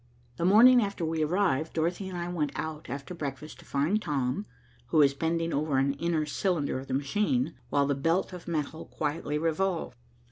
The morning after we arrived, Dorothy and I went out after breakfast to find Tom, who was bending over an inner cylinder of the machine, while the belt of metal quietly revolved.